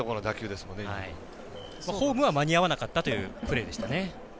ホームは間に合わなかったというプレーでしたね。